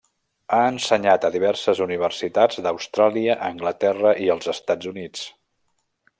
Ha ensenyat a diverses universitats d'Austràlia, Anglaterra i els Estats Units.